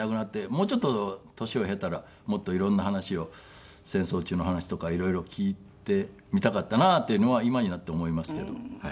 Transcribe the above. もうちょっと年を経たらもっと色んな話を戦争中の話とか色々聞いてみたかったなっていうのは今になって思いますけど。